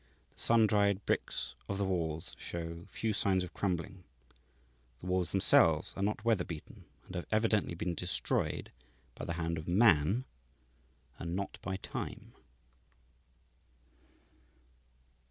The sun dried bricks of the walls show few signs of crumbling. The walls themselves are not weather beaten, and have evidently been destroyed by the hand of man, and not by time.